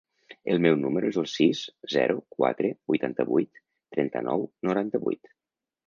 El meu número es el sis, zero, quatre, vuitanta-vuit, trenta-nou, noranta-vuit.